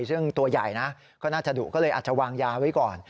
ซึ่งตัวใหญ่นะก็น่าจะดุก็เลยอาจจะวางยาไว้ก่อน